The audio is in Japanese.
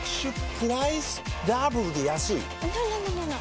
プライスダブルで安いＮｏ！